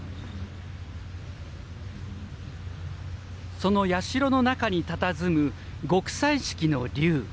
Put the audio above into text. その社の中にたたずむ極彩色の龍。